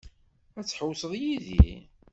Ad tḥewwsem yid-i?